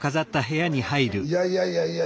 いやいやいやいや。